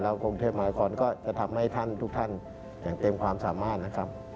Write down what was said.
กรุงเทพมหานครก็จะทำให้ท่านทุกท่านอย่างเต็มความสามารถนะครับ